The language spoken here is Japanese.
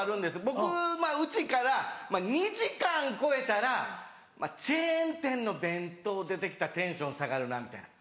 僕まぁ家から２時間超えたらチェーン店の弁当出て来たらテンション下がるなみたいな。